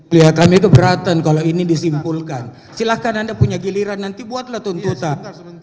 lihat kami keberatan kalau ini disimpulkan silahkan anda punya giliran nanti buatlah tuntutan